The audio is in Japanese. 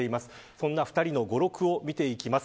そんな２人の語録を見ていきます。